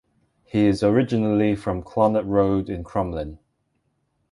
He is originally from Clonard Road in Crumlin.